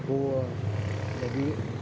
kerap mencoba mengakhiri ini